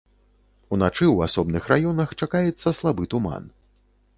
Уначы ў асобных раёнах чакаецца слабы туман.